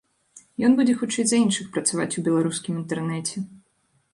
Ён будзе хутчэй за іншых працаваць у беларускім інтэрнэце.